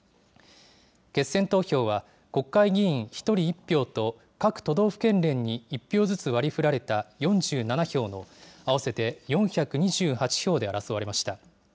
決選投票は、国会議員１人１票と、各都道府県連に１票ずつ割りふられた４７票の、合わせて４２８票で争われました。